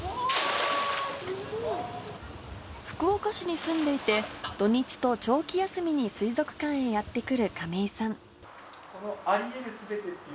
福岡市に住んでいて、土日と長期休みに水族館へやって来る亀井さん。